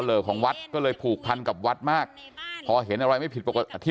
ของวัดก็เลยผูกพันกับวัดมากพอเห็นอะไรไม่ผิดปกติ